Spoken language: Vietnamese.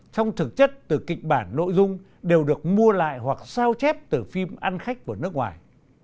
trong thực chất từ kịch bản nội dung đều được mua lại hoặc sao chép từ phim ăn khách của nước ngoài